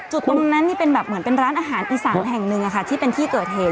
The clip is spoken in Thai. ตรงนั้นนี่เป็นแบบเหมือนเป็นร้านอาหารอีสานแห่งหนึ่งที่เป็นที่เกิดเหตุ